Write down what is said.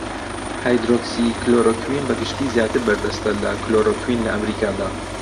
هایدرۆکسی کلۆرۆکوین بەگشتی زیاتر بەردەستە لە کلۆرۆکوین لە ئەمەریکادا.